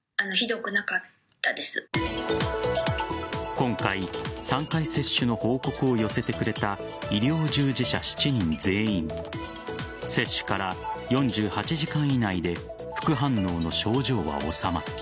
今回、３回接種の報告を寄せてくれた医療従事者７人全員接種から４８時間以内で副反応の症状は治まった。